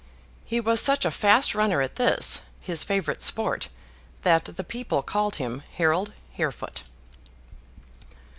He was such a fast runner at this, his favourite sport, that the people called him Harold Harefoot.